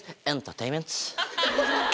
テインメンツ！